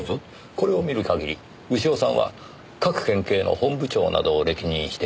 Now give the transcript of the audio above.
これを見る限り潮さんは各県警の本部長などを歴任してきた警察官僚です。